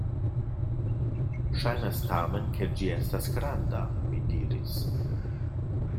Ŝajnas tamen, ke ĝi estas granda, mi diris.